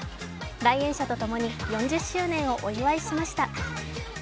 来園者とともに４０周年をお祝いしました。